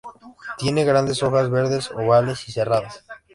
Tiene grandes hojas verdes, ovales y serradas.